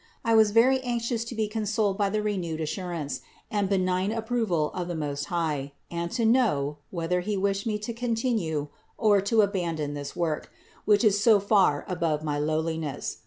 I was very anxious to be consoled by the renewed assurance, and benign approval of the Most High, and to know, whether He wished me to continue or to abandon this work, which is so far above my low liness.